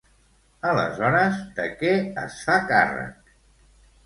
Aleshores, de què es fa càrrec?